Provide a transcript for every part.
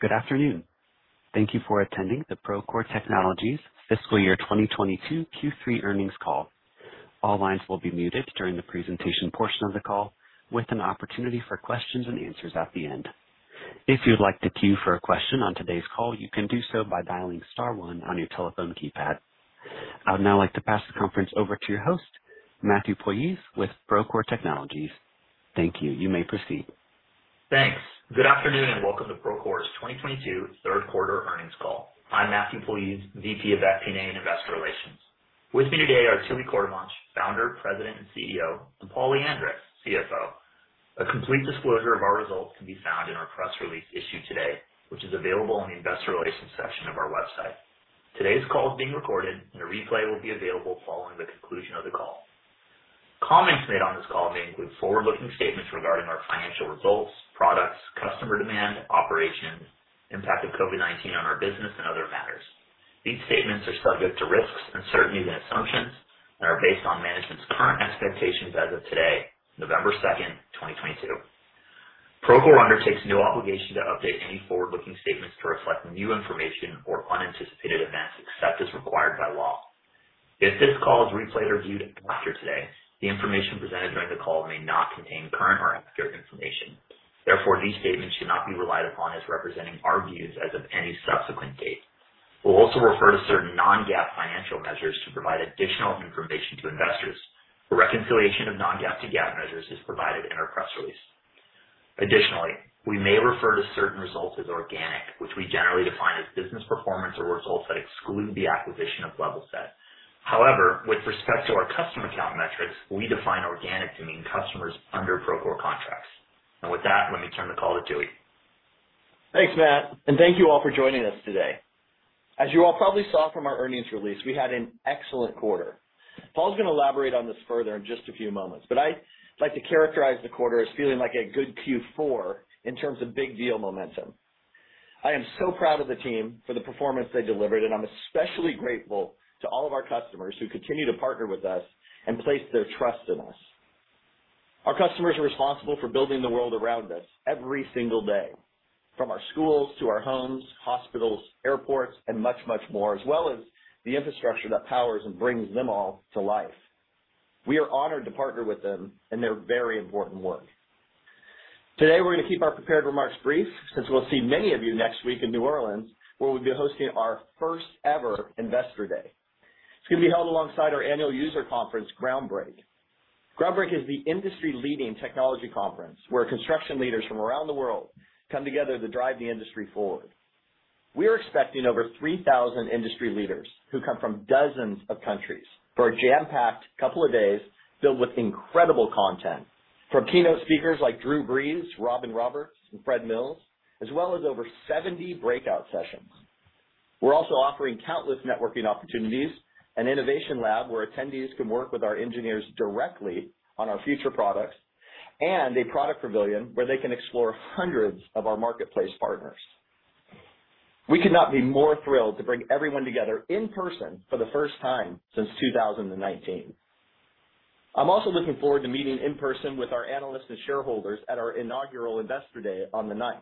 Good afternoon. Thank you for attending the Procore Technologies Fiscal Year 2022 Q3 Earnings Call. All lines will be muted during the presentation portion of the call with an opportunity for questions and answers at the end. If you'd like to queue for a question on today's call, you can do so by dialing star one on your telephone keypad. I'd now like to pass the conference over to your host, Matthew Puljiz with Procore Technologies. Thank you. You may proceed. Thanks. Good afternoon, and welcome to Procore's 2022 third quarter earnings call. I'm Matthew Puljiz, VP of FP&A and Investor Relations. With me today are Tooey Courtemanche, Founder, President, and CEO, and Paul Lyandres, CFO. A complete disclosure of our results can be found in our press release issued today, which is available on the Investor Relations section of our website. Today's call is being recorded, and a replay will be available following the conclusion of the call. Comments made on this call may include forward-looking statements regarding our financial results, products, customer demand, operations, impact of COVID-19 on our business, and other matters. These statements are subject to risks, uncertainties, and assumptions and are based on management's current expectations as of today, November 2nd, 2022. Procore undertakes no obligation to update any forward-looking statements to reflect new information or unanticipated events except as required by law. If this call is replayed or viewed after today, the information presented during the call may not contain current or accurate information. Therefore, these statements should not be relied upon as representing our views as of any subsequent date. We'll also refer to certain non-GAAP financial measures to provide additional information to investors. A reconciliation of non-GAAP to GAAP measures is provided in our press release. Additionally, we may refer to certain results as organic, which we generally define as business performance or results that exclude the acquisition of Levelset. However, with respect to our customer account metrics, we define organic to mean customers under Procore contracts. With that, let me turn the call to Tooey. Thanks, Matt, and thank you all for joining us today. As you all probably saw from our earnings release, we had an excellent quarter. Paul's gonna elaborate on this further in just a few moments, but I'd like to characterize the quarter as feeling like a good Q4 in terms of big deal momentum. I am so proud of the team for the performance they delivered, and I'm especially grateful to all of our customers who continue to partner with us and place their trust in us. Our customers are responsible for building the world around us every single day, from our schools to our homes, hospitals, airports, and much, much more, as well as the infrastructure that powers and brings them all to life. We are honored to partner with them in their very important work. Today, we're gonna keep our prepared remarks brief since we'll see many of you next week in New Orleans, where we'll be hosting our first-ever Investor Day. It's gonna be held alongside our annual user conference, Groundbreak. Groundbreak is the industry-leading technology conference where construction leaders from around the world come together to drive the industry forward. We're expecting over 3,000 industry leaders who come from dozens of countries for a jam-packed couple of days filled with incredible content. From keynote speakers like Drew Brees, Robin Roberts, and Fred Mills, as well as over 70 breakout sessions. We're also offering countless networking opportunities, an innovation lab where attendees can work with our engineers directly on our future products, and a product pavilion where they can explore hundreds of our marketplace partners. We could not be more thrilled to bring everyone together in person for the first time since 2019. I'm also looking forward to meeting in person with our analysts and shareholders at our inaugural Investor Day on the 9th.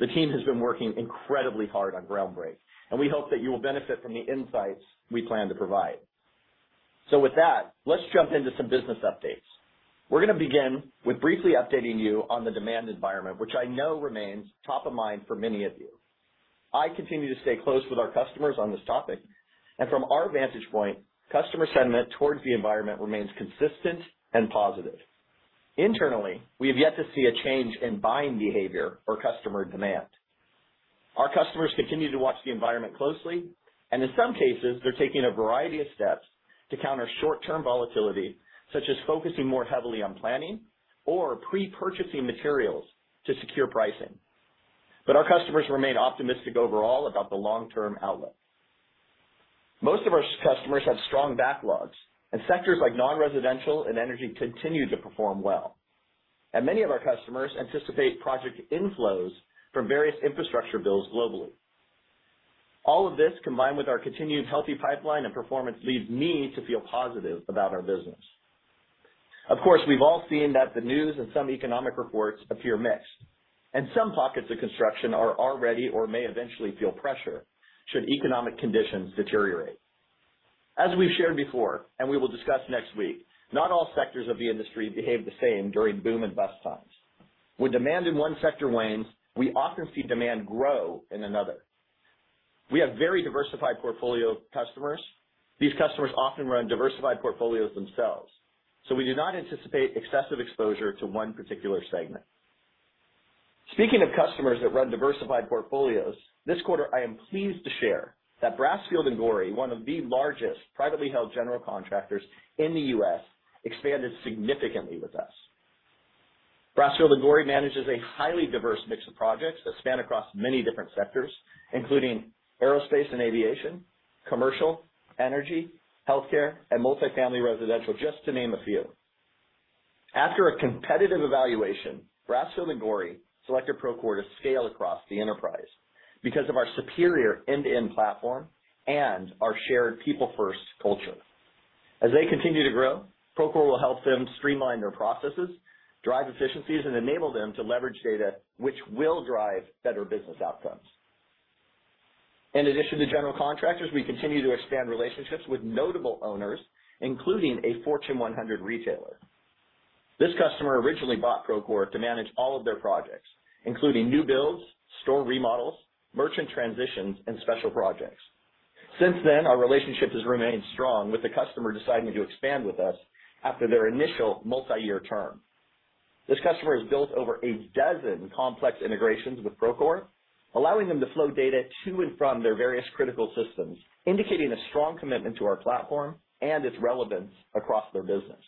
The team has been working incredibly hard on Groundbreak, and we hope that you will benefit from the insights we plan to provide. With that, let's jump into some business updates. We're gonna begin with briefly updating you on the demand environment, which I know remains top of mind for many of you. I continue to stay close with our customers on this topic, and from our vantage point, customer sentiment towards the environment remains consistent and positive. Internally, we have yet to see a change in buying behavior or customer demand. Our customers continue to watch the environment closely, and in some cases, they're taking a variety of steps to counter short-term volatility, such as focusing more heavily on planning or pre-purchasing materials to secure pricing. Our customers remain optimistic overall about the long-term outlook. Most of our customers have strong backlogs, and sectors like non-residential and energy continue to perform well. Many of our customers anticipate project inflows from various infrastructure bills globally. All of this, combined with our continued healthy pipeline and performance, leads me to feel positive about our business. Of course, we've all seen that the news and some economic reports appear mixed, and some pockets of construction are already or may eventually feel pressure should economic conditions deteriorate. As we've shared before, and we will discuss next week, not all sectors of the industry behave the same during boom and bust times. When demand in one sector wanes, we often see demand grow in another. We have very diversified portfolio of customers. These customers often run diversified portfolios themselves, so we do not anticipate excessive exposure to one particular segment. Speaking of customers that run diversified portfolios, this quarter I am pleased to share that Brasfield & Gorrie, one of the largest privately held general contractors in the U.S., expanded significantly with us. Brasfield & Gorrie manages a highly diverse mix of projects that span across many different sectors, including aerospace and aviation, commercial, energy, healthcare, and multifamily residential, just to name a few. After a competitive evaluation, Brasfield & Gorrie selected Procore to scale across the enterprise because of our superior end-to-end platform and our shared people-first culture. As they continue to grow, Procore will help them streamline their processes, drive efficiencies, and enable them to leverage data which will drive better business outcomes. In addition to general contractors, we continue to expand relationships with notable owners, including a Fortune 100 retailer. This customer originally bought Procore to manage all of their projects, including new builds, store remodels, merchant transitions, and special projects. Since then, our relationship has remained strong with the customer deciding to expand with us after their initial multi-year term. This customer has built over a dozen complex integrations with Procore, allowing them to flow data to and from their various critical systems, indicating a strong commitment to our platform and its relevance across their business.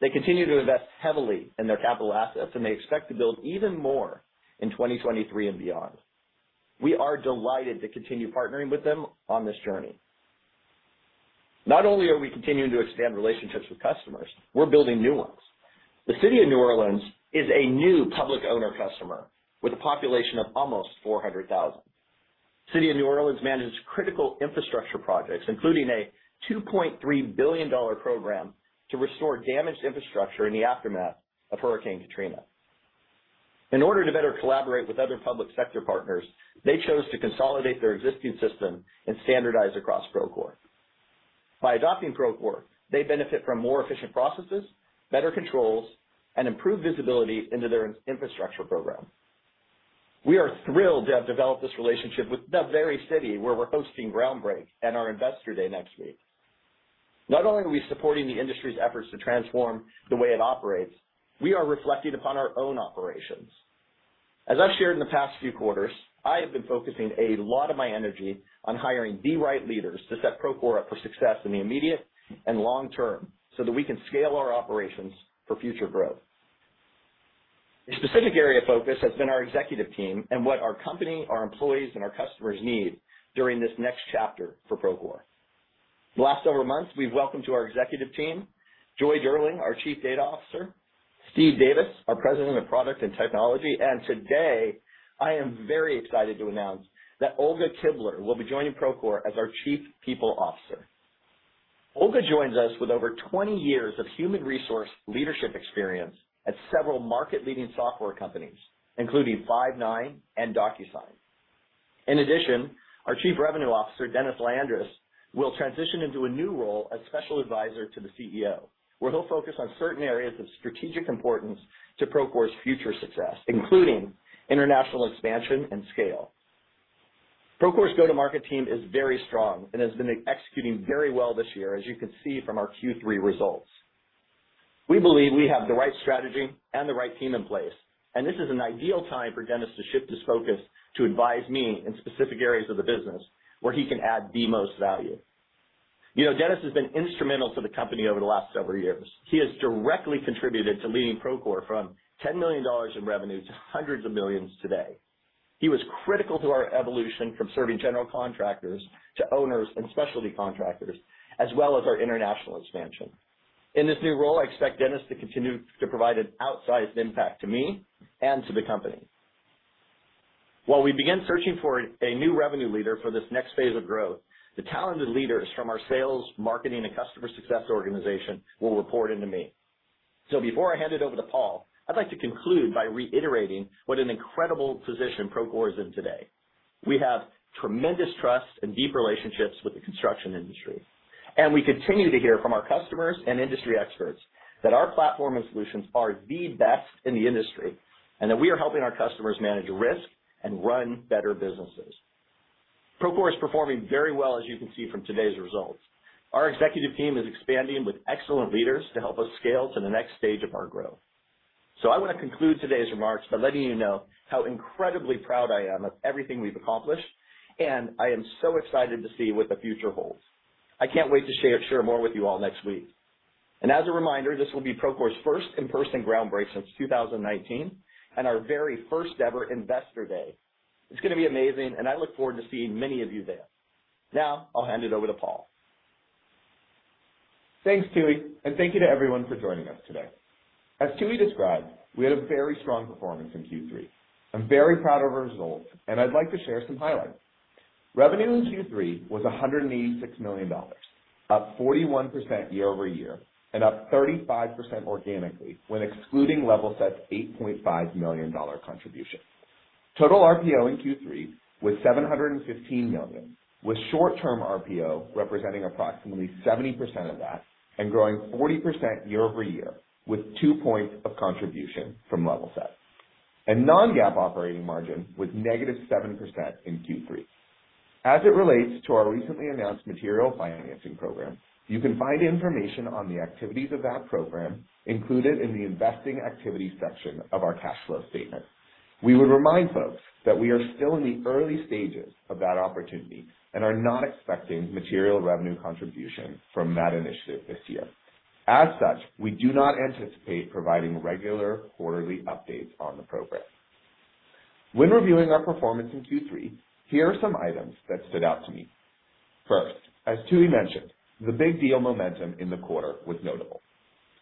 They continue to invest heavily in their capital assets, and they expect to build even more in 2023 and beyond. We are delighted to continue partnering with them on this journey. Not only are we continuing to expand relationships with customers, we're building new ones. The City of New Orleans is a new public owner customer with a population of almost 400,000. City of New Orleans manages critical infrastructure projects, including a $2.3 billion program to restore damaged infrastructure in the aftermath of Hurricane Katrina. In order to better collaborate with other public sector partners, they chose to consolidate their existing system and standardize across Procore. By adopting Procore, they benefit from more efficient processes, better controls, and improved visibility into their infrastructure program. We are thrilled to have developed this relationship with the very city where we're hosting Groundbreak and our Investor Day next week. Not only are we supporting the industry's efforts to transform the way it operates, we are reflecting upon our own operations. As I've shared in the past few quarters, I have been focusing a lot of my energy on hiring the right leaders to set Procore up for success in the immediate and long term so that we can scale our operations for future growth. A specific area of focus has been our executive team and what our company, our employees, and our customers need during this next chapter for Procore. The last several months, we've welcomed to our executive team Joy Durling, our Chief Data Officer, Steve Davis, our President of Product and Technology, and today, I am very excited to announce that Olga Kibler will be joining Procore as our Chief People Officer. Olga joins us with over 20 years of human resource leadership experience at several market-leading software companies, including Five9 and DocuSign. In addition, our Chief Revenue Officer, Dennis Lyandres, will transition into a new role as Special Advisor to the CEO, where he'll focus on certain areas of strategic importance to Procore's future success, including international expansion and scale. Procore's go-to-market team is very strong and has been executing very well this year, as you can see from our Q3 results. We believe we have the right strategy and the right team in place, and this is an ideal time for Dennis to shift his focus to advise me in specific areas of the business where he can add the most value. You know, Dennis has been instrumental to the company over the last several years. He has directly contributed to leading Procore from $10 million in revenue to hundreds of millions today. He was critical to our evolution from serving general contractors to owners and specialty contractors, as well as our international expansion. In this new role, I expect Dennis to continue to provide an outsized impact to me and to the company. While we begin searching for a new revenue leader for this next phase of growth, the talented leaders from our sales, marketing, and customer success organization will report into me. Before I hand it over to Paul, I'd like to conclude by reiterating what an incredible position Procore is in today. We have tremendous trust and deep relationships with the construction industry, and we continue to hear from our customers and industry experts that our platform and solutions are the best in the industry, and that we are helping our customers manage risk and run better businesses. Procore is performing very well, as you can see from today's results. Our executive team is expanding with excellent leaders to help us scale to the next stage of our growth. I wanna conclude today's remarks by letting you know how incredibly proud I am of everything we've accomplished, and I am so excited to see what the future holds. I can't wait to share more with you all next week. As a reminder, this will be Procore's first in-person Groundbreak since 2019, and our very first ever Investor Day. It's gonna be amazing, and I look forward to seeing many of you there. Now, I'll hand it over to Paul. Thanks, Tooey, and thank you to everyone for joining us today. As Tooey described, we had a very strong performance in Q3. I'm very proud of our results, and I'd like to share some highlights. Revenue in Q3 was $186 million, up 41% year-over-year, and up 35% organically when excluding Levelset's $8.5 million contribution. Total RPO in Q3 was $715 million, with short-term RPO representing approximately 70% of that and growing 40% year-over-year with 2 points of contribution from Levelset. non-GAAP operating margin was -7% in Q3. As it relates to our recently announced material financing program, you can find information on the activities of that program included in the Investing Activities section of our cash flow statement. We would remind folks that we are still in the early stages of that opportunity and are not expecting material revenue contribution from that initiative this year. As such, we do not anticipate providing regular quarterly updates on the program. When reviewing our performance in Q3, here are some items that stood out to me. First, as Tooey mentioned, the big deal momentum in the quarter was notable.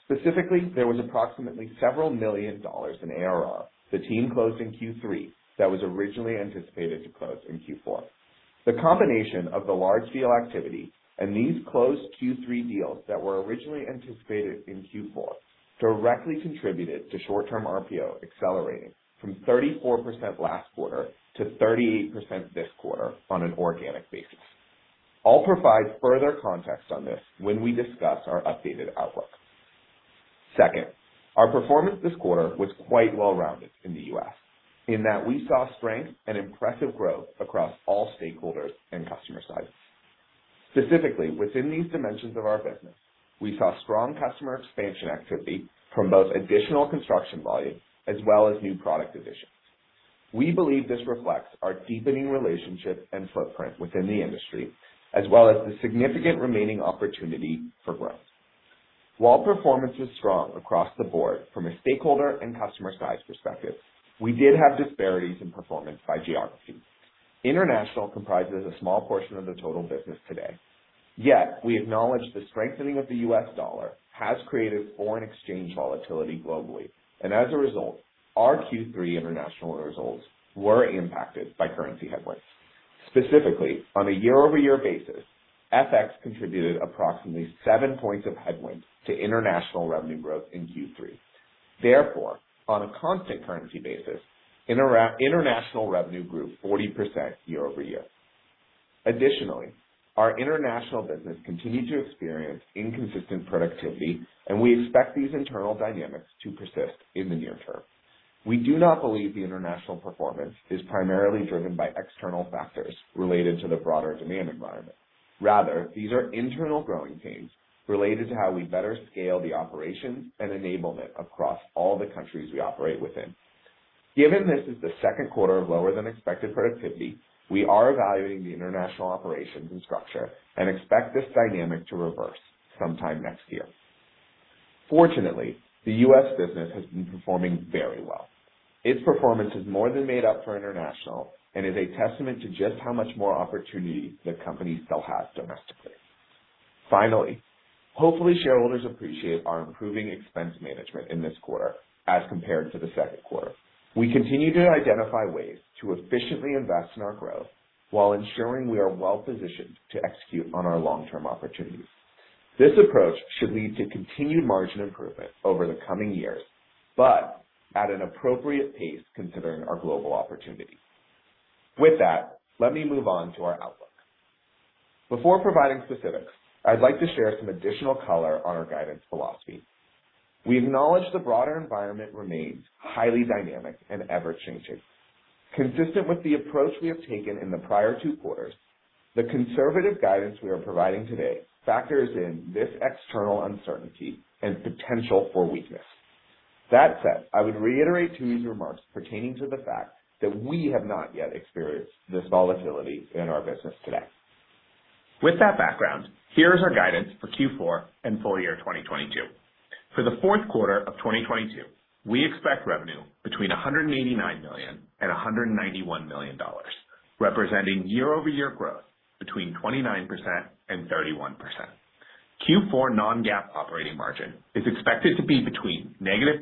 Specifically, there was approximately several million dollars in ARR the team closed in Q3 that was originally anticipated to close in Q4. The combination of the large deal activity and these closed Q3 deals that were originally anticipated in Q4 directly contributed to short-term RPO accelerating from 34% last quarter to 38% this quarter on an organic basis. I'll provide further context on this when we discuss our updated outlook. Second, our performance this quarter was quite well-rounded in the U.S. in that we saw strength and impressive growth across all stakeholders and customer size. Specifically, within these dimensions of our business, we saw strong customer expansion activity from both additional construction volume as well as new product additions. We believe this reflects our deepening relationship and footprint within the industry, as well as the significant remaining opportunity for growth. While performance was strong across the board from a stakeholder and customer size perspective, we did have disparities in performance by geography. International comprises a small portion of the total business today, yet we acknowledge the strengthening of the U.S. dollar has created foreign exchange volatility globally and as a result, our Q3 international results were impacted by currency headwinds. Specifically, on a year-over-year basis, FX contributed approximately 7 points of headwinds to international revenue growth in Q3. Therefore, on a constant currency basis, international revenue grew 40% year-over-year. Additionally, our international business continued to experience inconsistent productivity, and we expect these internal dynamics to persist in the near term. We do not believe the international performance is primarily driven by external factors related to the broader demand environment. Rather, these are internal growing pains related to how we better scale the operations and enablement across all the countries we operate within. Given this is the second quarter of lower than expected productivity, we are evaluating the international operations and structure and expect this dynamic to reverse sometime next year. Fortunately, the U.S. business has been performing very well. Its performance has more than made up for international and is a testament to just how much more opportunity the company still has domestically. Finally, hopefully, shareholders appreciate our improving expense management in this quarter as compared to the second quarter. We continue to identify ways to efficiently invest in our growth while ensuring we are well-positioned to execute on our long-term opportunities. This approach should lead to continued margin improvement over the coming years, but at an appropriate pace considering our global opportunity. With that, let me move on to our outlook. Before providing specifics, I'd like to share some additional color on our guidance philosophy. We acknowledge the broader environment remains highly dynamic and ever-changing. Consistent with the approach we have taken in the prior two quarters, the conservative guidance we are providing today factors in this external uncertainty and potential for weakness. That said, I would reiterate Tooey's remarks pertaining to the fact that we have not yet experienced this volatility in our business today. With that background, here is our guidance for Q4 and full year 2022. For the fourth quarter of 2022, we expect revenue between $189 million and $191 million, representing year-over-year growth between 29% and 31%. Q4 non-GAAP operating margin is expected to be between -10%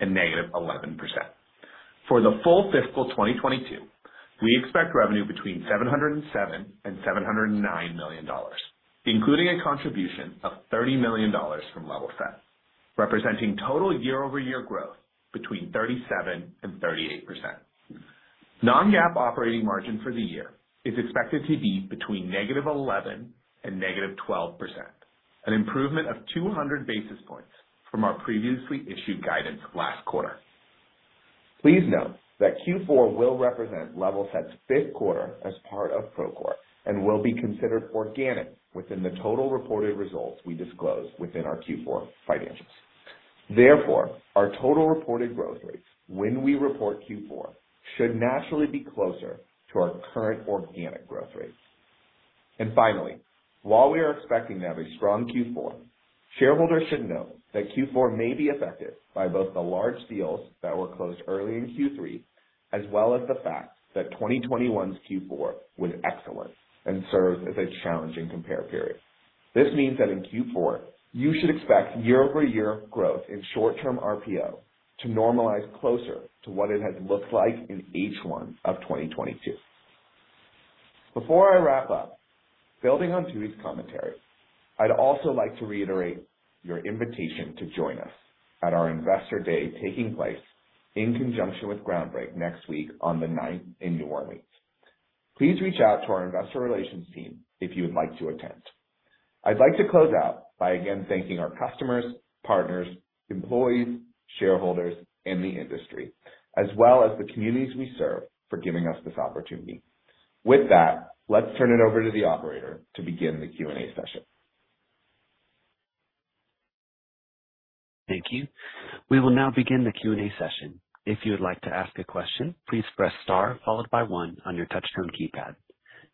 and -11%. For the full fiscal 2022, we expect revenue between $707 million and $709 million, including a contribution of $30 million from Levelset, representing total year-over-year growth between 37% and 38%. Non-GAAP operating margin for the year is expected to be between -11% and -12%, an improvement of 200 basis points from our previously issued guidance last quarter. Please note that Q4 will represent Levelset's fifth quarter as part of Procore and will be considered organic within the total reported results we disclose within our Q4 financials. Therefore, our total reported growth rates when we report Q4 should naturally be closer to our current organic growth rates. Finally, while we are expecting to have a strong Q4, shareholders should know that Q4 may be affected by both the large deals that were closed early in Q3, as well as the fact that 2021's Q4 was excellent and serves as a challenging compare period. This means that in Q4 you should expect year-over-year growth in short-term RPO to normalize closer to what it has looked like in H1 of 2022. Before I wrap up, building on Tooey's commentary, I'd also like to reiterate your invitation to join us at our Investor Day taking place in conjunction with Groundbreak next week on the 9th in New Orleans. Please reach out to our Investor Relations team if you would like to attend. I'd like to close out by again thanking our customers, partners, employees, shareholders, and the industry, as well as the communities we serve for giving us this opportunity. With that, let's turn it over to the operator to begin the Q&A session. Thank you. We will now begin the Q&A session. If you would like to ask a question, please press star followed by one on your touch tone keypad.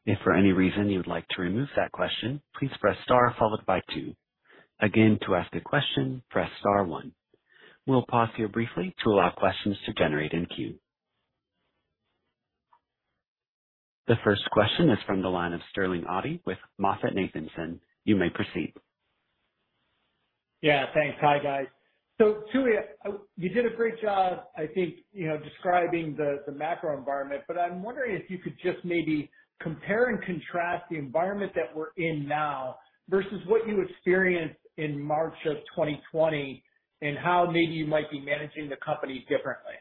If for any reason you would like to remove that question, please press star followed by two. Again, to ask a question, press star one. We'll pause here briefly to allow questions to generate in queue. The first question is from the line of Sterling Auty with MoffettNathanson. You may proceed. Yeah, thanks. Hi, guys. Tooey, you did a great job, I think, you know, describing the macro environment, but I'm wondering if you could just maybe compare and contrast the environment that we're in now versus what you experienced in March of 2020, and how maybe you might be managing the company differently.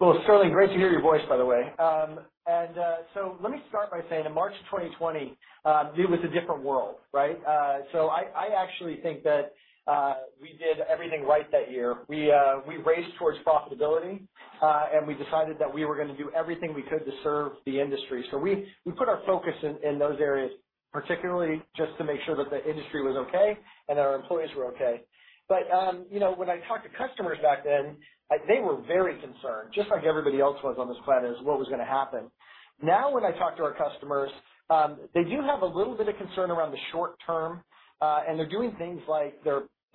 Well, Sterling, great to hear your voice, by the way. Let me start by saying in March of 2020, it was a different world, right? I actually think that we did everything right that year. We raced towards profitability, and we decided that we were gonna do everything we could to serve the industry. We put our focus in those areas, particularly just to make sure that the industry was okay and our employees were okay. You know, when I talked to customers back then, they were very concerned, just like everybody else was on this planet, about what was gonna happen. Now, when I talk to our customers, they do have a little bit of concern around the short term, and they're doing things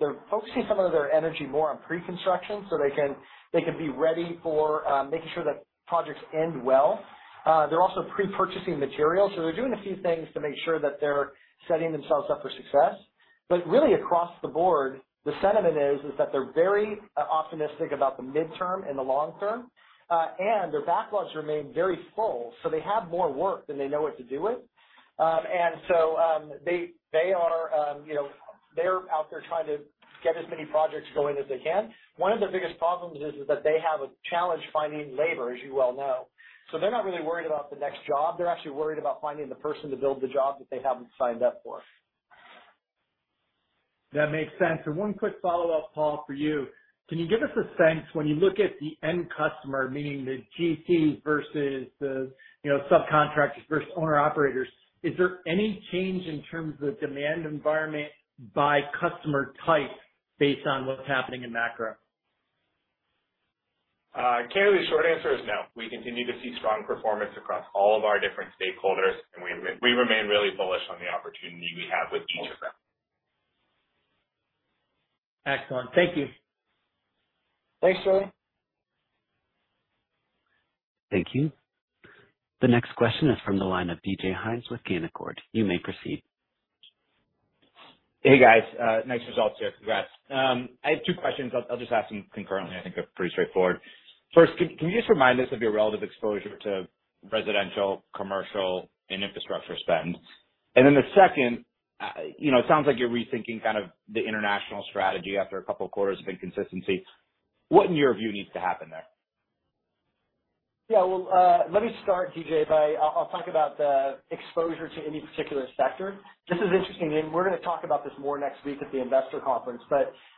like they're focusing some of their energy more on pre-construction so they can be ready for making sure that projects end well. They're also pre-purchasing materials. They're doing a few things to make sure that they're setting themselves up for success. Really across the board, the sentiment is that they're very optimistic about the midterm and the long term, and their backlogs remain very full, so they have more work than they know what to do with. They are, you know, they're out there trying to get as many projects going as they can. One of their biggest problems is that they have a challenge finding labor, as you well know. They're not really worried about the next job. They're actually worried about finding the person to build the job that they haven't signed up for. That makes sense. One quick follow-up, Paul, for you. Can you give us a sense when you look at the end customer, meaning the GCs versus the, you know, subcontractors versus owner-operators, is there any change in terms of demand environment by customer type based on what's happening in macro? Can't really, short answer is no. We continue to see strong performance across all of our different stakeholders, and we remain really bullish on the opportunity we have with each of them. Excellent. Thank you. Thanks, Sterling. Thank you. The next question is from the line of DJ Hynes with Canaccord. You may proceed. Hey, guys. Nice results here. Congrats. I have two questions. I'll just ask them concurrently. I think they're pretty straightforward. First, can you just remind us of your relative exposure to residential, commercial, and infrastructure spend? And then the second, you know, it sounds like you're rethinking kind of the international strategy after a couple of quarters of inconsistency. What, in your view, needs to happen there? Yeah. Well, let me start, DJ. I'll talk about the exposure to any particular sector. This is interesting, and we're gonna talk about this more next week at the Investor Conference.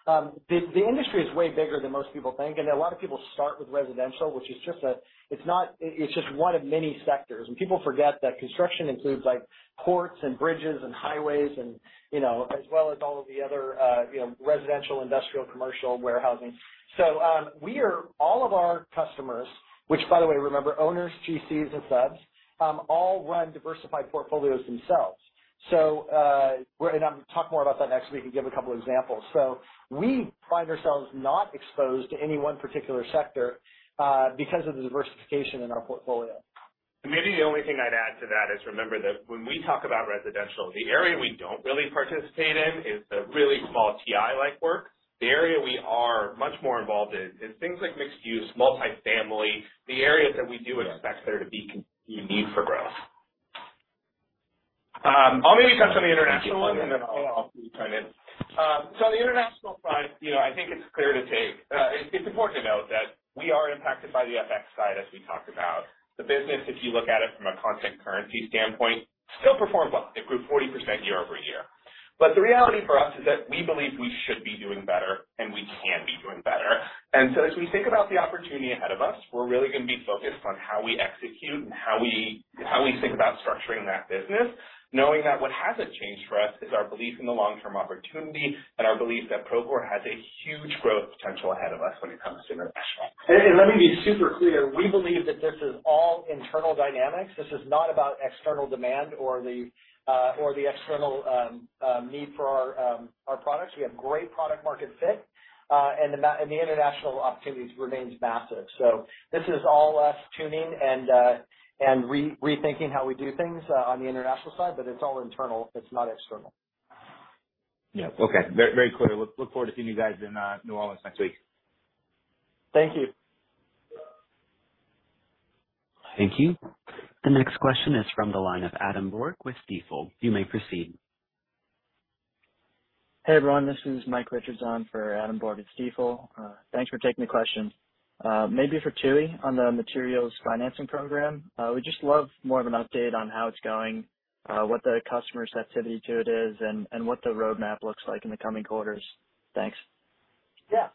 The industry is way bigger than most people think, and a lot of people start with residential, which is just one of many sectors. People forget that construction includes, like ports and bridges and highways and, you know, as well as all of the other, you know, residential, industrial, commercial, warehousing. All of our customers, which by the way, remember owners, GCs and subs, all run diversified portfolios themselves. I'm gonna talk more about that next week and give a couple examples. We find ourselves not exposed to any one particular sector, because of the diversification in our portfolio. Maybe the only thing I'd add to that is remember that when we talk about residential, the area we don't really participate in is the really small TI-like work. The area we are much more involved in is things like mixed-use, multifamily, the areas that we do expect there to be continued growth. I'll maybe touch on the international one, and then I'll turn it. On the international front, I think it's clear to state. It's important to note that we are impacted by the FX side as we talk about the business. If you look at it from a constant currency standpoint, the business still performed well. It grew 40% year-over-year. The reality for us is that we believe we should be doing better and we can be doing better. As we think about the opportunity ahead of us, we're really gonna be focused on how we execute and how we think about structuring that business, knowing that what hasn't changed for us is our belief in the long-term opportunity and our belief that Procore has a huge growth potential ahead of us when it comes to international. Let me be super clear. We believe that this is all internal dynamics. This is not about external demand or the external need for our products. We have great product market fit, and the international opportunity remains massive. This is all us tuning and rethinking how we do things on the international side, but it's all internal. It's not external. Yeah. Okay. Very clear. Look forward to seeing you guys in New Orleans next week. Thank you. Thank you. The next question is from the line of Adam Borg with Stifel. You may proceed. Hey, everyone. This is Michael Richards for Adam Borg at Stifel. Thanks for taking the question. Maybe for Tooey on the materials financing program. We'd just love more of an update on how it's going, what the customer sensitivity to it is, and what the roadmap looks like in the coming quarters. Thanks. Yeah.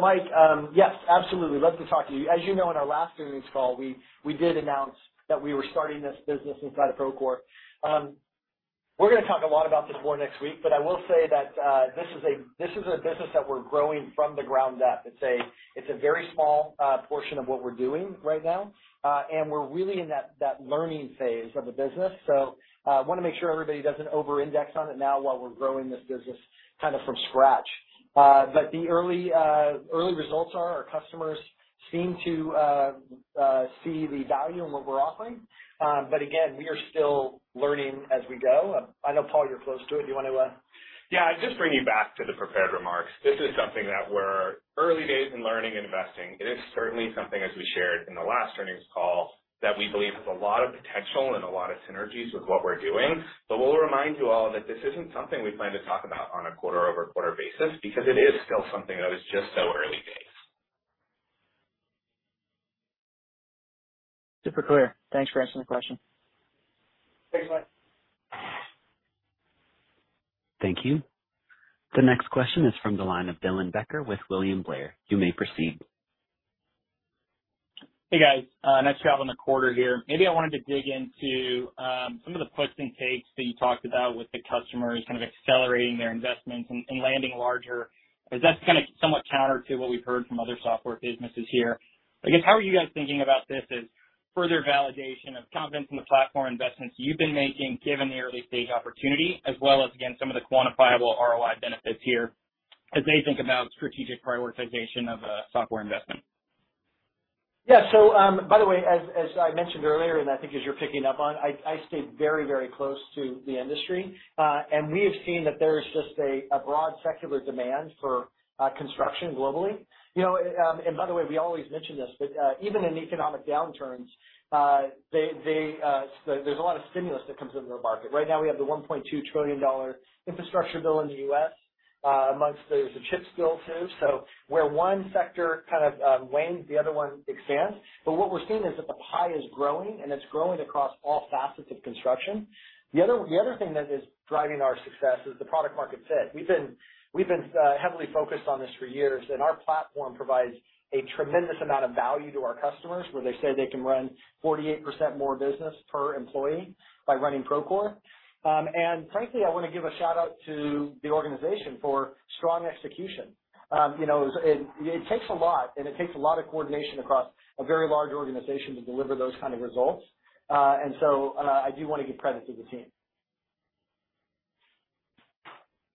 Mike, yes, absolutely. Love to talk to you. As you know, in our last earnings call, we did announce that we were starting this business inside of Procore. We're gonna talk a lot about this more next week, but I will say that this is a business that we're growing from the ground up. It's a very small portion of what we're doing right now, and we're really in that learning phase of the business. Wanna make sure everybody doesn't over-index on it now while we're growing this business kind of from scratch. The early results are, our customers seem to see the value in what we're offering. Again, we are still learning as we go. I know, Paul, you're close to it. Do you wanna? Yeah, I'd just bring you back to the prepared remarks. This is something that we're early days in learning and investing. It is certainly something, as we shared in the last earnings call, that we believe has a lot of potential and a lot of synergies with what we're doing. We'll remind you all that this isn't something we plan to talk about on a quarter-over-quarter basis because it is still something that is just so early days. Super clear. Thanks for answering the question. Thanks, Mike. Thank you. The next question is from the line of Dylan Becker with William Blair. You may proceed. Hey, guys. Nice job on the quarter here. Maybe I wanted to dig into some of the puts and takes that you talked about with the customers kind of accelerating their investments and landing larger, as that's kinda somewhat counter to what we've heard from other software businesses here. Again, how are you guys thinking about this as further validation of confidence in the platform investments you've been making given the early stage opportunity, as well as, again, some of the quantifiable ROI benefits here as they think about strategic prioritization of a software investment? Yeah. By the way, as I mentioned earlier, and I think as you're picking up on, I stay very, very close to the industry. And we have seen that there's just a broad secular demand for construction globally. You know, and by the way, we always mention this, but even in economic downturns, there's a lot of stimulus that comes into the market. Right now, we have the $1.2 trillion infrastructure bill in the U.S., amongst. There's the CHIPS bill, too. Where one sector kind of wanes, the other one expands. What we're seeing is that the pie is growing, and it's growing across all facets of construction. The other thing that is driving our success is the product market fit. We've been heavily focused on this for years, and our platform provides a tremendous amount of value to our customers, where they say they can run 48% more business per employee by running Procore. Frankly, I wanna give a shout-out to the organization for strong execution. You know, it takes a lot of coordination across a very large organization to deliver those kind of results. I do wanna give credit to the team.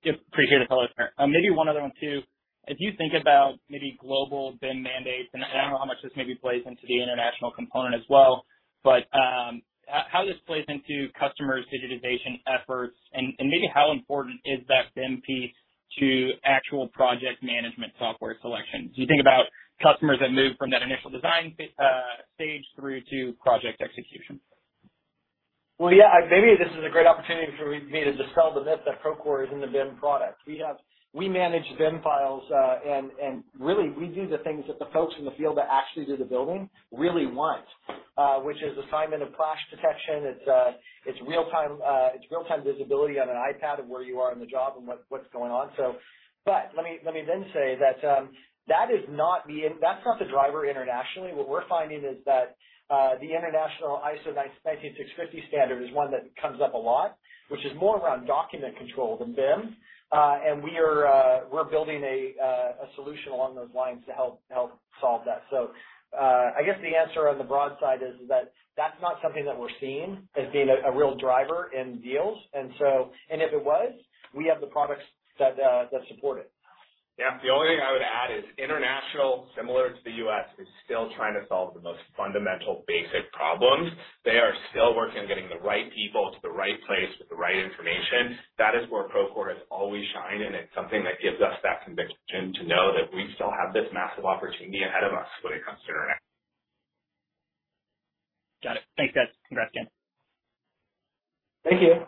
Yep, appreciate it, fellas. Maybe one other one too. As you think about maybe global BIM mandates, and I don't know how much this maybe plays into the international component as well, but how this plays into customers' digitization efforts and maybe how important is that BIM piece to actual project management software selection as you think about customers that move from that initial design stage through to project execution? Well, yeah, maybe this is a great opportunity for me to dispel the myth that Procore isn't a BIM product. We manage BIM files. And really we do the things that the folks in the field that actually do the building really want, which is assignment of clash detection. It's real-time visibility on an iPad of where you are on the job and what's going on, so. But let me then say that that is not the driver internationally. What we're finding is that the international ISO 19650 standard is one that comes up a lot, which is more around document control than BIM. And we are building a solution along those lines to help solve that. I guess the answer on the broad side is that that's not something that we're seeing as being a real driver in deals. If it was, we have the products that support it. Yeah. The only thing I would add is international, similar to the U.S., is still trying to solve the most fundamental, basic problems. They are still working on getting the right people to the right place with the right information. That is where Procore has always shined, and it's something that gives us that conviction to know that we still have this massive opportunity ahead of us when it comes to our. Got it. Thanks, guys. Congrats again. Thank you.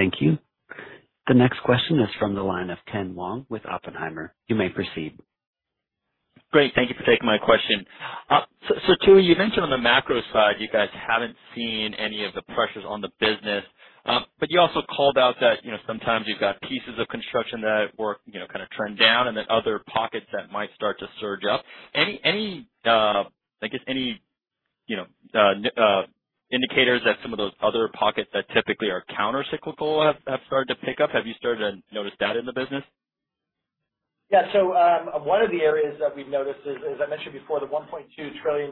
Thank you. The next question is from the line of Ken Wong with Oppenheimer. You may proceed. Great. Thank you for taking my question. Tooey, you mentioned on the macro side, you guys haven't seen any of the pressures on the business, but you also called out that, you know, sometimes you've got pieces of construction that work, you know, kind of trend down, and then other pockets that might start to surge up. Any, I guess, you know, indicators that some of those other pockets that typically are countercyclical have started to pick up? Have you started to notice that in the business? Yeah. One of the areas that we've noticed is, as I mentioned before, the $1.2 trillion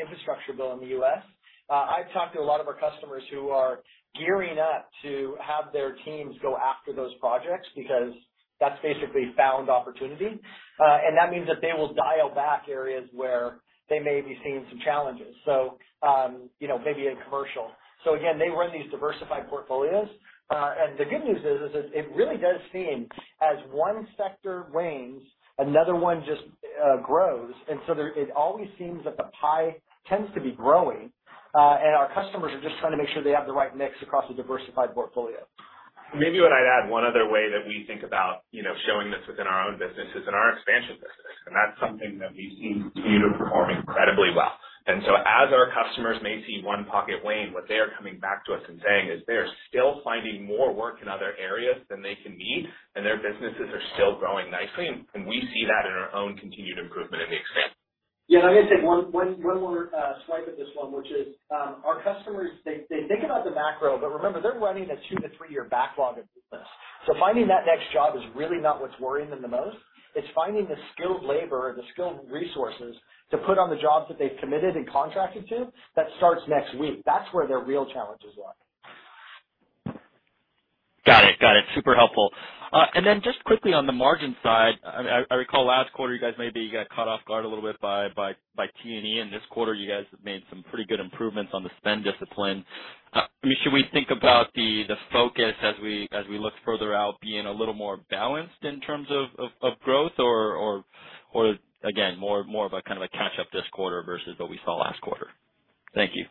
infrastructure bill in the U.S. I've talked to a lot of our customers who are gearing up to have their teams go after those projects because that's basically funded opportunity. That means that they will dial back areas where they may be seeing some challenges. You know, maybe in commercial. Again, they run these diversified portfolios. The good news is that it really does seem as one sector wanes, another one just grows. It always seems that the pie tends to be growing, and our customers are just trying to make sure they have the right mix across a diversified portfolio. Maybe what I'd add, one other way that we think about, you know, showing this within our own business is in our expansion business, and that's something that we've seen continue to perform incredibly well. As our customers may see one pocket wane, what they are coming back to us and saying is they are still finding more work in other areas than they can meet, and their businesses are still growing nicely, and we see that in our own continued improvement in the expansion. Yeah, I'm gonna say one more swipe at this one, which is, our customers, they think about the macro, but remember, they're running a two to three-year backlog of business. So finding that next job is really not what's worrying them the most. It's finding the skilled labor or the skilled resources to put on the jobs that they've committed and contracted to that starts next week. That's where their real challenges are. Got it. Super helpful. Just quickly on the margin side. I recall last quarter you guys maybe got caught off guard a little bit by T&E. This quarter you guys have made some pretty good improvements on the spend discipline. I mean, should we think about the focus as we look further out, being a little more balanced in terms of growth or again, more of a kind of a catch up this quarter versus what we saw last quarter? Thank you.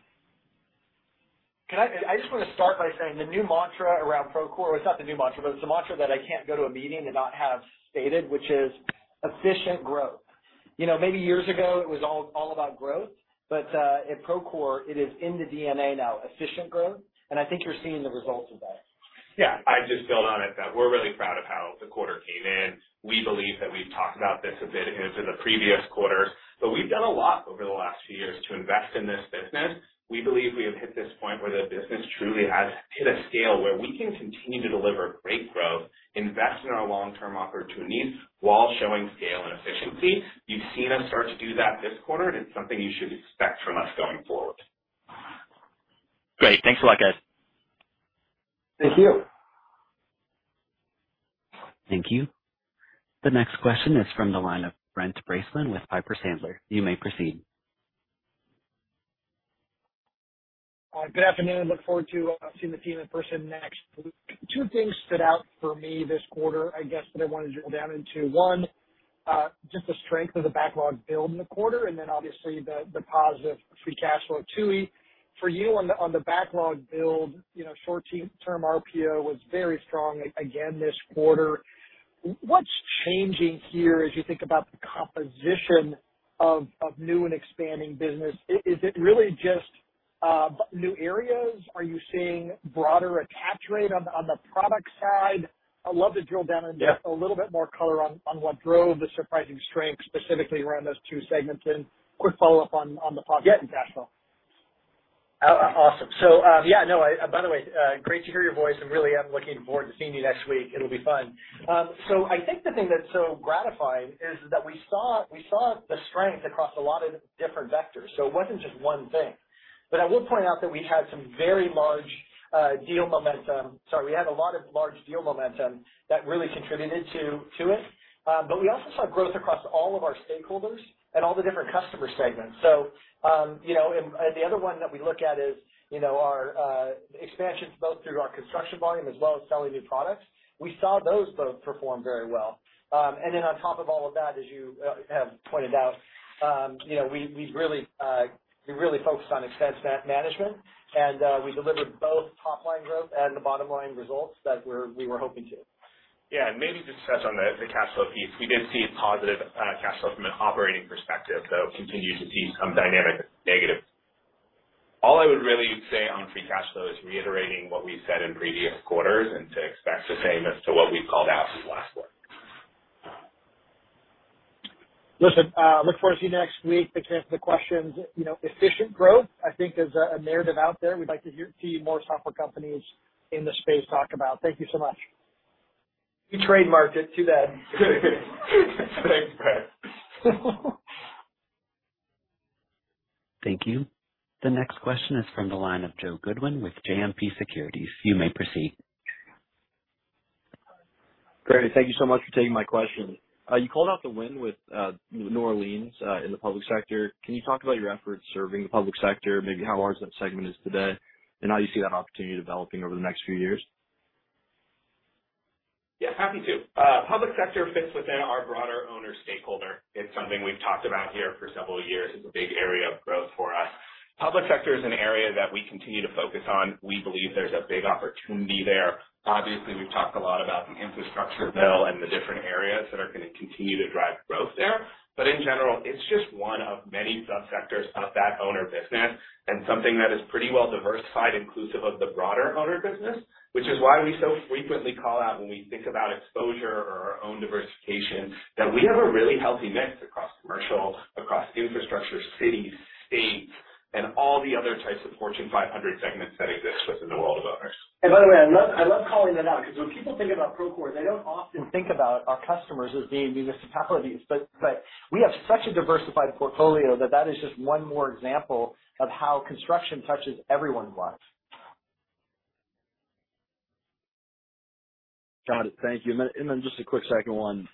I just want to start by saying the new mantra around Procore. It's not the new mantra, but it's the mantra that I can't go to a meeting and not have stated, which is efficient growth. You know, maybe years ago it was all about growth, but at Procore, it is in the DNA now, efficient growth. I think you're seeing the results of that. Yeah. I'd just build on it that we're really proud of how the quarter came in. We believe that we've talked about this a bit in the previous quarter, but we've done a lot over the last few years to invest in this business. We believe we have hit this point where the business truly has hit a scale where we can continue to deliver great growth, invest in our long-term opportunities while showing scale and efficiency. You've seen us start to do that this quarter, and it's something you should expect from us going forward. Great. Thanks a lot, guys. Thank you. Thank you. The next question is from the line of Brent Bracelin with Piper Sandler. You may proceed. Good afternoon. Look forward to seeing the team in person next week. Two things stood out for me this quarter, I guess, that I wanted to drill down into. One, just the strength of the backlog build in the quarter and then obviously the positive free cash flow. Tooey, for you on the backlog build, you know, short-term RPO was very strong again this quarter. What's changing here as you think about the composition of new and expanding business? Is it really just new areas? Are you seeing broader attach rate on the product side? I'd love to drill down and get- Yeah. A little bit more color on what drove the surprising strength specifically around those two segments. Quick follow-up on the positive cash flow. Awesome. By the way, great to hear your voice and really I'm looking forward to seeing you next week. It'll be fun. I think the thing that's so gratifying is that we saw the strength across a lot of different vectors, so it wasn't just one thing. I will point out that we had some very large deal momentum. Sorry. We had a lot of large deal momentum that really contributed to it. We also saw growth across all of our stakeholders and all the different customer segments. You know, the other one that we look at is, you know, our expansions both through our construction volume as well as selling new products. We saw those both perform very well. On top of all of that, as you have pointed out, you know, we really focused on expense management and we delivered both top line growth and the bottom line results that we were hoping to. Yeah. Maybe just touch on the cash flow piece. We did see a positive cash flow from an operating perspective, though it continues to be some dynamic negative. All I would really say on free cash flow is reiterating what we said in previous quarters and to expect the same as to what we've called out in the last quarter. Listen, look forward to see you next week. Thanks for answering the questions. You know, efficient growth, I think is a narrative out there we'd like to hear, see more software companies in the space talk about. Thank you so much. We trademarked it. Too bad. Thanks, Brent. Thank you. The next question is from the line of Joe Goodwin with JMP Securities. You may proceed. Great. Thank you so much for taking my question. You called out the win with New Orleans in the public sector. Can you talk about your efforts serving the public sector, maybe how large that segment is today, and how you see that opportunity developing over the next few years? Yes, happy to. Public sector fits within our broader owner stakeholder. It's something we've talked about here for several years. It's a big area of growth for us. Public sector is an area that we continue to focus on. We believe there's a big opportunity there. Obviously, we've talked a lot about the infrastructure bill and the different areas that are gonna continue to drive growth there. But in general, it's just one of many subsectors of that owner business and something that is pretty well diversified, inclusive of the broader owner business, which is why we so frequently call out when we think about exposure or our own diversification, that we have a really healthy mix across commercial, across infrastructure, cities, states, and all the other types of Fortune 500 segments that exist within the world of owners. By the way, I love calling that out because when people think about Procore, they don't often think about our customers as being municipalities. We have such a diversified portfolio that is just one more example of how construction touches everyone's lives. Got it. Thank you. Just a quick second one.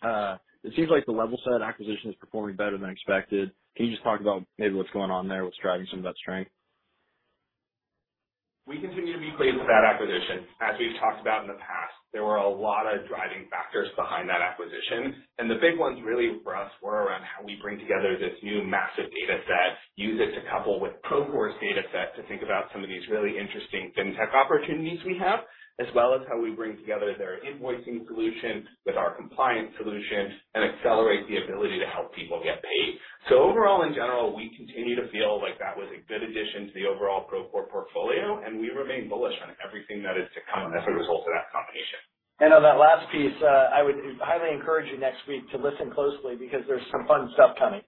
It seems like the Levelset acquisition is performing better than expected. Can you just talk about maybe what's going on there, what's driving some of that strength? We continue to be pleased with that acquisition. As we've talked about in the past, there were a lot of driving factors behind that acquisition, and the big ones really for us were around how we bring together this new massive data set, use it to couple with Procore's data set to think about some of these really interesting fintech opportunities we have, as well as how we bring together their invoicing solutions with our compliance solutions and accelerate the ability to help people get paid. Overall, in general, we continue to feel like that was a good addition to the overall Procore portfolio, and we remain bullish on everything that is to come as a result of that combination. On that last piece, I would highly encourage you next week to listen closely because there's some fun stuff coming.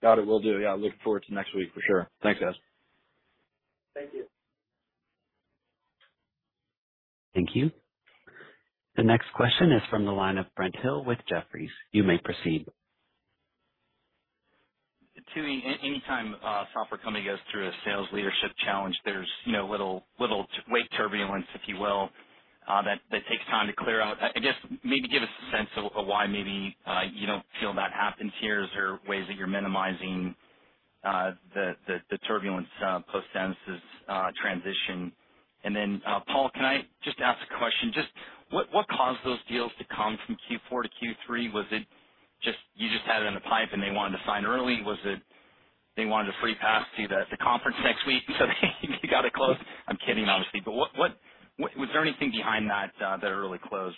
Got it. Will do. Yeah, looking forward to next week for sure. Thanks, guys. Thank you. Thank you. The next question is from the line of Brent Thill with Jefferies. You may proceed. Tooey, anytime software company goes through a sales leadership challenge, there's, you know, little wake turbulence, if you will, that takes time to clear out. I guess maybe give us a sense of why maybe you don't feel that happens here. Is there ways that you're minimizing the turbulence post Dennis's transition? Then, Paul, can I just ask a question? Just what caused those deals to come from Q4 to Q3? Was it just you had it in the pipe, and they wanted to sign early? Was it they wanted a free pass to the conference next week, so they got it closed? I'm kidding, obviously. But what was there anything behind that early close?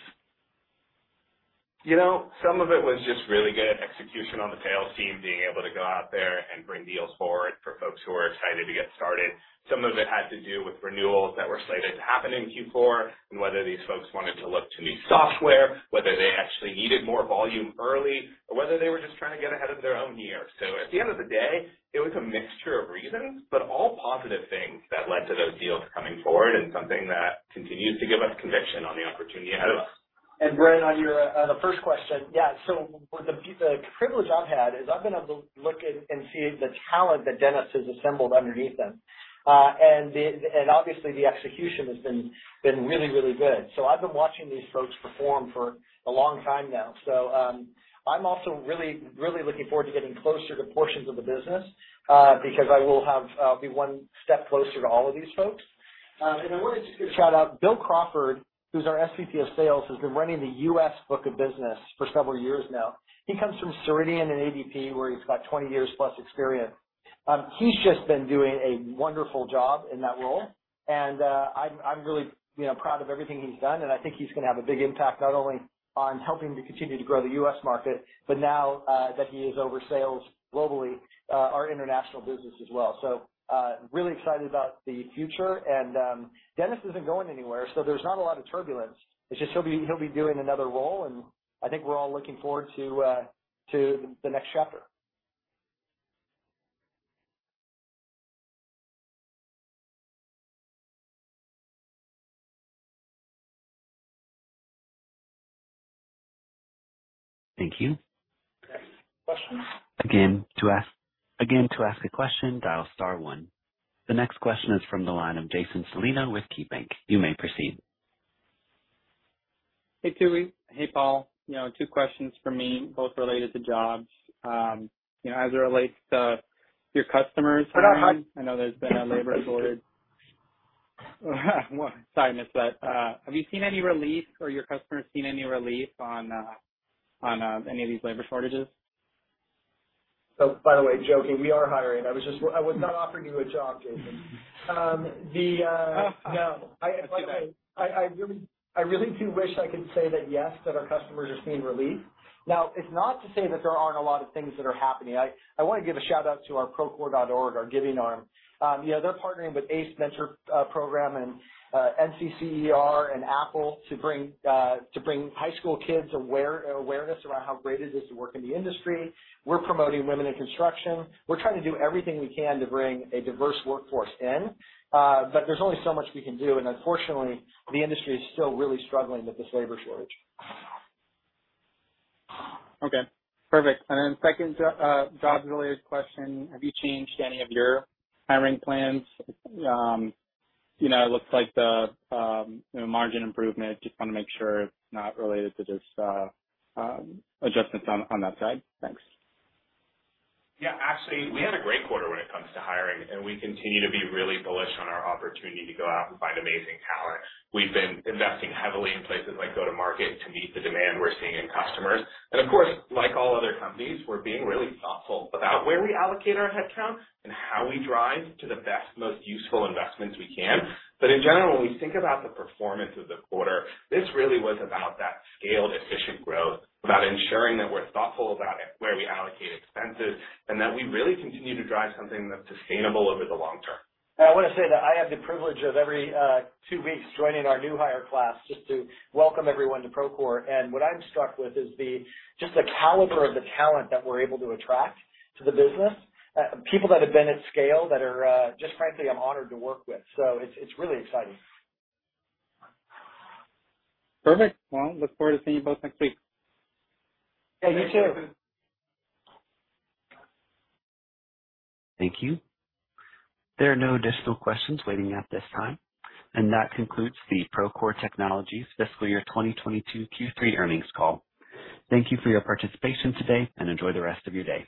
You know, some of it was just really good execution on the sales team being able to go out there and bring deals forward for folks who are excited to get started. Some of it had to do with renewals that were slated to happen in Q4 and whether these folks wanted to look to new software, whether they actually needed more volume early, or whether they were just trying to get ahead of their own year. At the end of the day, it was a mixture of reasons, but all positive things that led to those deals coming forward and something that continues to give us conviction on the opportunity ahead of us. Brent, on your the first question. Yeah. With the privilege I've had is I've been able to look and see the talent that Dennis has assembled underneath them. The, and obviously the execution has been really good. I've been watching these folks perform for a long time now. I'm also really looking forward to getting closer to portions of the business, because I will have, I'll be one step closer to all of these folks. I wanted to give a shout-out. Bill Crawford, who's our SVP of Sales, who's been running the U.S. book of business for several years now. He comes from Ceridian and ADP, where he's got 20+ years experience. He's just been doing a wonderful job in that role. I'm really, you know, proud of everything he's done, and I think he's gonna have a big impact, not only on helping to continue to grow the U.S. market, but now that he is over sales globally, our international business as well. I'm really excited about the future. Dennis isn't going anywhere, so there's not a lot of turbulence. It's just he'll be doing another role, and I think we're all looking forward to the next chapter. Thank you. Next questions. Again, to ask a question, dial star one. The next question is from the line of Jason Celino with KeyBanc. You may proceed. Hey, Tooey. Hey, Paul. You know, two questions from me, both related to jobs. You know, as it relates to your customers hiring- We're not hiring. I know there's been a labor shortage. Sorry, I missed that. Have you seen any relief or your customers seen any relief on any of these labor shortages? By the way, joking, we are hiring. I was not offering you a job, Jason. No. I really do wish I could say that yes, that our customers are seeing relief. Now, it's not to say that there aren't a lot of things that are happening. I wanna give a shout-out to our Procore.org, our giving arm. You know, they're partnering with ACE Mentor Program and NCCER and Apple to bring high school kids awareness around how great it is to work in the industry. We're promoting women in construction. We're trying to do everything we can to bring a diverse workforce in, but there's only so much we can do, and unfortunately, the industry is still really struggling with this labor shortage. Okay. Perfect. Second jobs related question, have you changed any of your hiring plans? You know, it looks like the margin improvement, just wanna make sure it's not related to just adjustments on that side. Thanks. Yeah. Actually, we had a great quarter when it comes to hiring, and we continue to be really bullish on our opportunity to go out and find amazing talent. We've been investing heavily in places like go-to-market to meet the demand we're seeing in customers. Of course, like all other companies, we're being really thoughtful about where we allocate our head count and how we drive to the best, most useful investments we can. In general, when we think about the performance of the quarter, this really was about that scaled, efficient growth, about ensuring that we're thoughtful about it, where we allocate expenses, and that we really continue to drive something that's sustainable over the long term. I wanna say that I have the privilege of every two weeks joining our new hire class just to welcome everyone to Procore. What I'm struck with is just the caliber of the talent that we're able to attract to the business. People that have been at scale that are just frankly I'm honored to work with. It's really exciting. Perfect. Well, look forward to seeing you both next week. Yeah, you too. Thank you. There are no additional questions waiting at this time, and that concludes the Procore Technologies Fiscal Year 2022 Q3 Earnings Call. Thank you for your participation today, and enjoy the rest of your day.